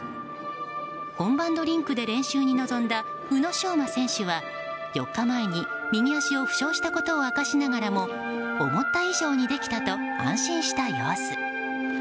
本番のリンクで練習に臨んだ宇野昌磨選手は４日前に右足を負傷したことを明かしながらも思った以上にできたと安心した様子。